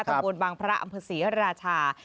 ตำบลบังพระอัมพศรีราชา